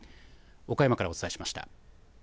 岡山からお伝えしました。